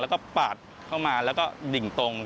แล้วก็ปาดเข้ามาแล้วก็ดิ่งตรง